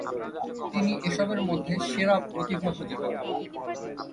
তিনি এসবের মধ্যে সেরা প্রতিভা খুঁজে পান।